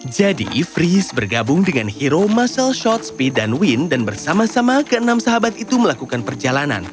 jadi freeze bergabung dengan hero muscle shot speed dan wayne dan bersama sama keenam sahabat itu melakukan perjalanan